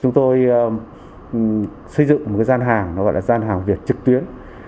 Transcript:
chúng tôi xây dựng một cái gian hàng nó gọi là gian hàng việt trực tuyến